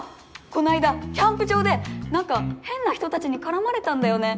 この間キャンプ場でなんか変な人たちに絡まれたんだよね。